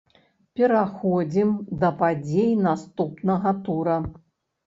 Пераходзім да падзей наступнага тура.